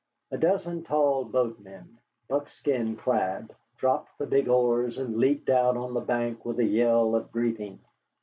A dozen tall boatmen, buckskin clad, dropped the big oars and leaped out on the bank with a yell of greeting.